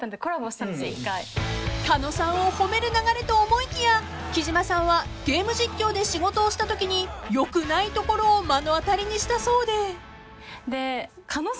［狩野さんを褒める流れと思いきや貴島さんはゲーム実況で仕事をしたときによくないところを目の当たりにしたそうで］